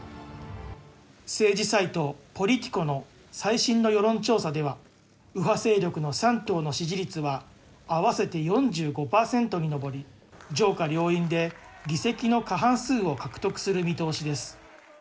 政治サイト、ポリティコの最新の世論調査では、右派勢力の３党の支持率は、合わせて４５％に上り、上下両院で議席の過半数を獲得する見通しです。